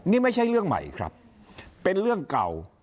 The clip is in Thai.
นี่ไม่ใช่เรื่องใหม่ครับเป็นเรื่องเก่า